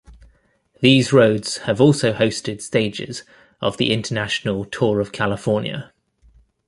These roads have also hosted stages of the international Tour of California.